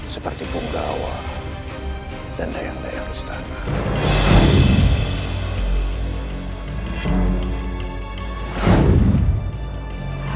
seperti bung gawa dan dayang dayang istana